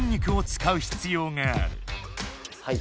はい。